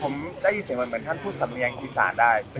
ผมได้ยินเสียงมันเหมือนท่านพูดสำเนียงกฎศาสตร์ได้